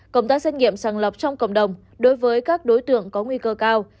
công tác xét nghiệm sàng lọc trong cộng đồng đối với các đối tượng có nguy cơ cao